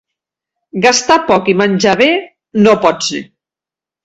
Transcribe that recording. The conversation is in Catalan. Gastar poc i menjar bé, no pot ser.